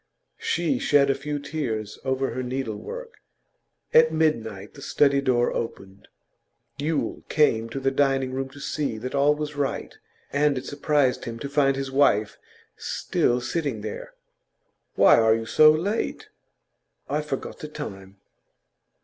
She shed a few tears over her needlework. At midnight the study door opened. Yule came to the dining room to see that all was right, and it surprised him to find his wife still sitting there. 'Why are you so late?' 'I've forgot the time.